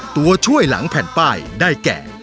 ตัวช่วยหลังแผ่นป้ายได้แก่